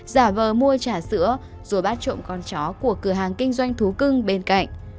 giả vờ mua trà sữa rồi bắt trộm con chó của cửa hàng kinh doanh thú cưng bên cạnh